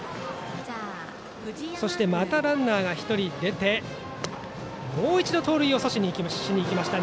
そして、またランナーが１人出てもう一度盗塁を刺しにいきました